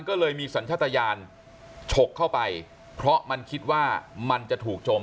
ก็เลยมีสัญชาติยานฉกเข้าไปเพราะมันคิดว่ามันจะถูกจม